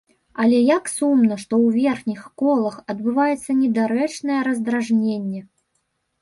Але як сумна, што ў верхніх колах адбываецца недарэчнае раздражненне.